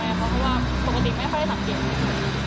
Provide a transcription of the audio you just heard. เพราะว่าปกติไม่ค่อยได้สังเกต